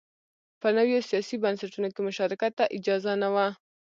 په نویو سیاسي بنسټونو کې مشارکت ته اجازه نه وه